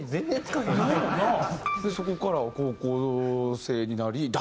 そこから高校生になり。